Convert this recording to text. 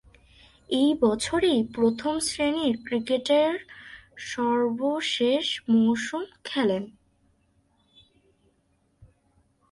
এ বছরেই প্রথম-শ্রেণীর ক্রিকেটের সর্বশেষ মৌসুম খেলেন।